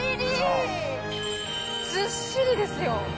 ずっしりですよ。